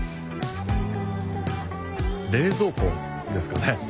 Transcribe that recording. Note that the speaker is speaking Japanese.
冷蔵庫ですかね。